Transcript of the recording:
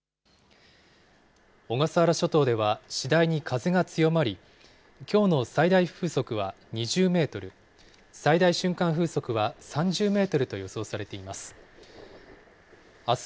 小笠原諸島では、次第に風が強まり、きょうの最大風速は２０メートル、最大瞬間風速は３０メートルと予想されています。